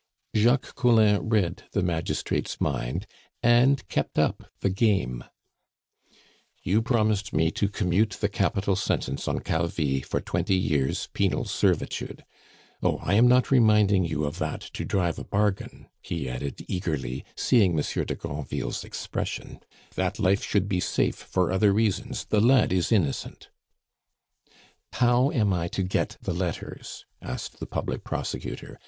Jacques Collin read the magistrate's mind, and kept up the game. "You promised me to commute the capital sentence on Calvi for twenty years' penal servitude. Oh, I am not reminding you of that to drive a bargain," he added eagerly, seeing Monsieur de Granville's expression; "that life should be safe for other reasons, the lad is innocent " "How am I to get the letters?" asked the public prosecutor.